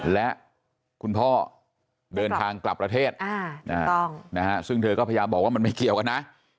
และคุณพ่อเดินทางกลับประเทศซึ่งเธอก็พยายามบอกว่ามันไม่เกี่ยวกันนะ